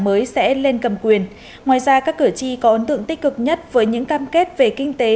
mới sẽ lên cầm quyền ngoài ra các cử tri có ấn tượng tích cực nhất với những cam kết về kinh tế